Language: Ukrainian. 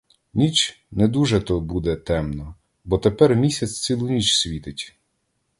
Ніч не дуже-то буде темна, бо тепер місяць цілу ніч світить.